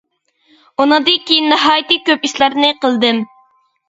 ئۇنىڭدىن كېيىن ناھايىتى كۆپ ئىشلارنى قىلدىم.